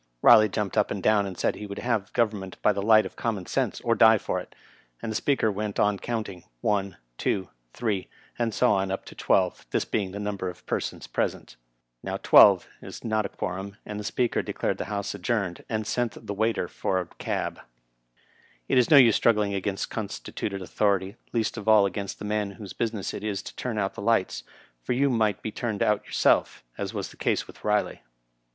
miey jumped up and down, and said he would have government by the light of common sense or die for it, and the Speaker went on counting, one, two, three, and so on up to twelve, this being the number of persons present. Now, twelve is not a quorum, and the Speaker de Digitized by VjOOQIC 182 RILBT, M.P, clared the House adjourned, and sent the waiter for a cab. It is no use struggling against constituted authority, least of all against the man whose business it is to turn out the lights, for you might be turned out yoursfiU, as was the ease with Biley.